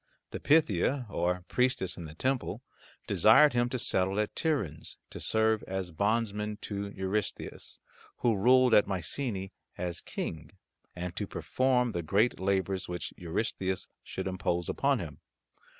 The Pythia, or priestess in the temple, desired him to settle at Tiryns, to serve as bondman to Eurystheus, who ruled at Mycenae as King, and to perform the great labours which Eurystheus should impose upon him.